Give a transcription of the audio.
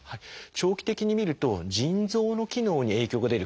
長期的に見ると腎臓の機能に影響が出る可能性があります。